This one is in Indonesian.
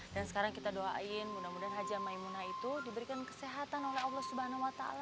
dan sekarang kita doain mudah mudahan haja maimunah itu diberikan kesehatan oleh allah subhanahu wa ta'ala